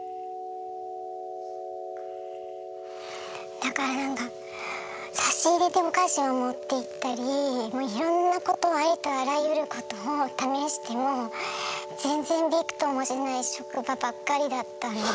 だからなんか差し入れでお菓子を持っていったりもういろんなことをありとあらゆることを試しても全然びくともしない職場ばっかりだったので。